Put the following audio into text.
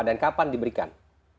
dan kapan diberikan